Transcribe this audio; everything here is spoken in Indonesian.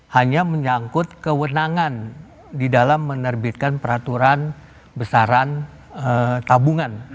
hanya menyangkut kewenangan di dalam menerbitkan peraturan besaran tabungan